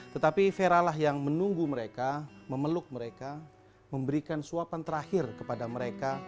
tetapi veralah yang menunggu mereka memeluk mereka memberikan suapan terakhir kepada mereka